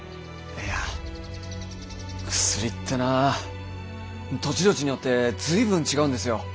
いや薬ってなぁ土地土地によって随分違うんですよ。